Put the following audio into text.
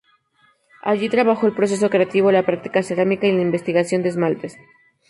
Allí trabajó el proceso creativo, la práctica cerámica y la investigación de esmaltes.